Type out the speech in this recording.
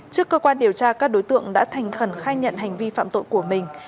trước cơ quan điều tra các đối tượng đã thành khẩn khai nhận hành vi phạm tội của mình